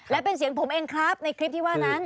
และเป็นเสียงผมเองครับในคลิปที่ว่านั้น